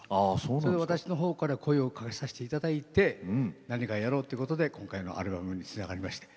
それで私のほうから声をかけさせていただいて何かやろうってことで今回のアルバムにつながりまして。